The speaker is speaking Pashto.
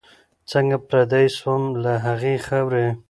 څنګه پردی سوم له هغي خاوري